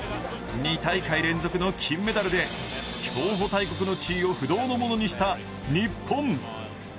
２大会連続の金メダルで競歩大国の地位を不動のものにした日本。